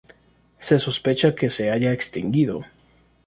Se sospecha que se haya extinguido.